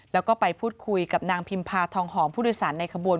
แล้วก็ไปพูดคุยกับนางพิมพาทองหอมผู้โดยสารในขบวน